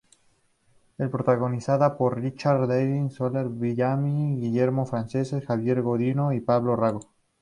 Es protagonizada por Ricardo Darín, Soledad Villamil, Guillermo Francella, Javier Godino y Pablo Rago.